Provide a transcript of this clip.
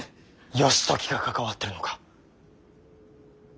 義時が関わってるのか。